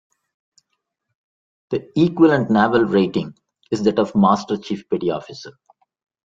The equivalent naval rating is that of master chief petty officer.